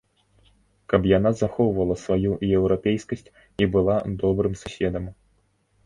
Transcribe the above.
Каб яна захоўвала сваю еўрапейскасць і была добрым суседам.